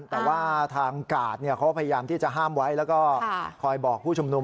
แต่ว่าทางกาดเขาพยายามที่จะห้ามไว้แล้วก็คอยบอกผู้ชุมนุม